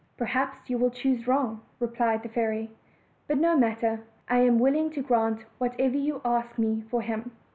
"Perhaps you will choose wrong," replied the fairy; "but no matter, I am willing to grant whatever you ask me for him."